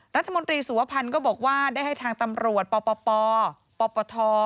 รัฐมนตรีสุวพันธ์ก็บอกว่าได้ให้ทางตำรวจปปท